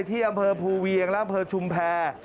ที่อำเภอภูเวียงและอำเภอชุมแพร